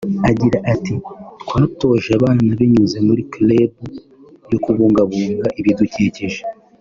agira ati “Twatoje abana binyuze muri Club yo kubungabunga ibidukikije